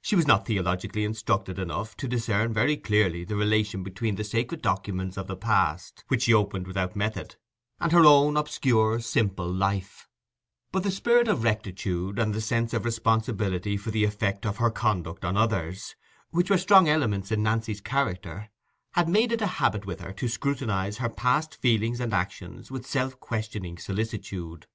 She was not theologically instructed enough to discern very clearly the relation between the sacred documents of the past which she opened without method, and her own obscure, simple life; but the spirit of rectitude, and the sense of responsibility for the effect of her conduct on others, which were strong elements in Nancy's character, had made it a habit with her to scrutinize her past feelings and actions with self questioning solicitude.